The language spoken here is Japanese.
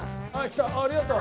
ありがとう。